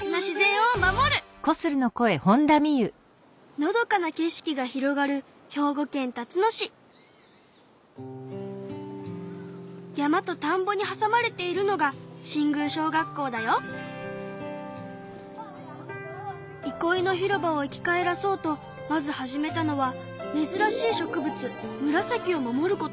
のどかな景色が広がる山とたんぼにはさまれているのがいこいの広場を生き返らそうとまず始めたのはめずらしい植物ムラサキを守ること。